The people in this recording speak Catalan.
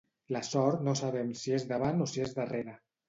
La sort no sabem si és davant o si és darrere.